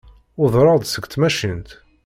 Udreɣ-d seg tmacint.